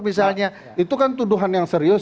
misalnya itu kan tuduhan yang serius